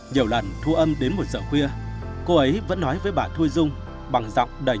nhiều lần thu âm đến một giờ khuya cô ấy vẫn nói với bà thu dung